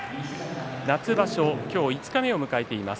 夏場所、今日五日目を迎えています。